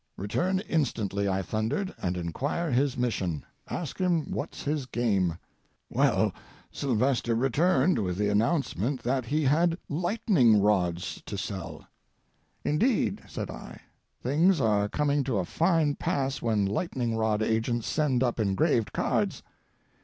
"Return instantly," I thundered, "and inquire his mission. Ask him what's his game." Well, Sylvester returned with the announcement that he had lightning rods to sell. "Indeed," said I, "things are coming to a fine pass when lightning rod agents send up engraved cards."